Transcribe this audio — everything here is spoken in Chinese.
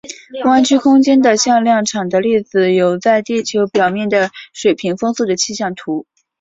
弯曲空间的向量场的例子有在地球表面的水平风速的气象图。